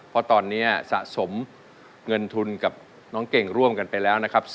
เพราะตอนนี้สะสมเงินทุนกับน้องเก่งร่วมกันไปแล้วนะครับ